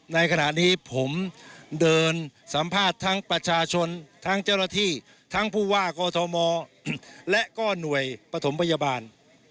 ในขณะนี้ผมเดินสัมภาษณ์ทั้งประชาชนทั้งเจ้าหน้าที่ทั้งผู้ว่ากอทมและก็หน่วยปฐมพยาบาล